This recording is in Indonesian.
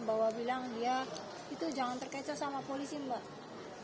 bahwa bilang dia itu jangan terkecoh sama polisi mbak